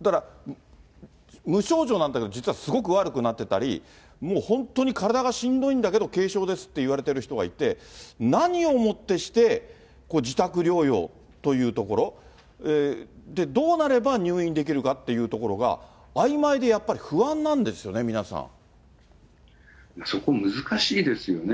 だから、無症状なんだけど、実はすごく悪くなってたり、もう本当に体がしんどいんだけど、軽症ですって言われてる人がいて、何をもってして、自宅療養というところ、どうなれば入院できるかっていうところがあいまいで、やっぱり不そこも難しいですよね。